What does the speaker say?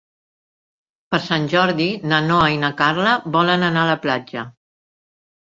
Per Sant Jordi na Noa i na Carla volen anar a la platja.